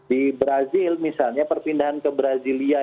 di brazil buffalo brazil misannya perpindahan negara ke negara lain itu bakar